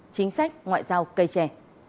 chính sách ngoại giao cây trè